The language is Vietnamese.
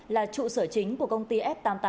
là trụ sở chính của công ty f tám mươi tám